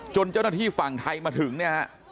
จนเจ้าหน้าที่ฝั่งไทยมาถึงเนี่ยฮะ